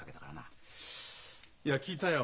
いや聞いたよ。